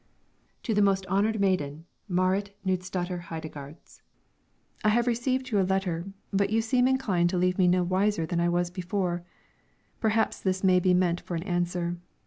TO THE MOST HONORED MAIDEN, MARIT KNUDSDATTER HEIDEGARDS: I have received your letter, but you seem inclined to leave me no wiser than I was before. Perhaps this may be meant for an answer.